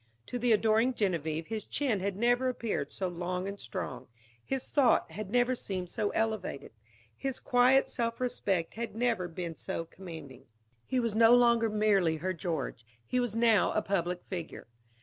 To the adoring Genevieve his chin had never appeared so long and strong, his thought had never seemed so elevated, his quiet self respect had never been so commanding. He was no longer merely her George, he was now a public figure.